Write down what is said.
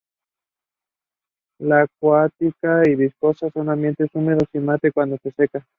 La cutícula es viscosa en ambientes húmedos, y mate cuando se seca.